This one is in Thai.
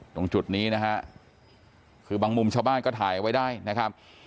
ตรงจุดนี้นะฮะคือบางมุมชาวบ้านก็ถ่ายเอาไว้ได้นะครับ